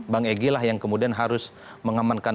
bang egy lah yang kemudian harus mengamankan